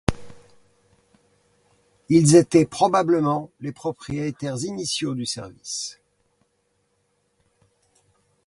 Ils étaient probablement les propriétaires initiaux du service.